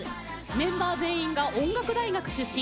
メンバー全員が音楽大学出身。